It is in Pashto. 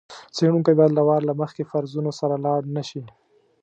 څېړونکی باید له وار له مخکې فرضونو سره لاړ نه شي.